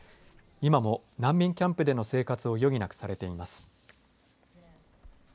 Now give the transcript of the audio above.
今も難民キャンプでの生活を余儀なくされています。